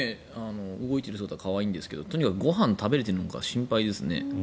動いてる姿可愛いんですがとにかくご飯を食べれてるのか心配ですね。